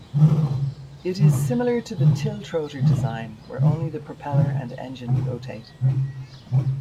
It is similar to the tiltrotor design where only the propeller and engine rotate.